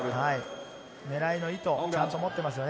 狙いの意図をちゃんと持っていますよね。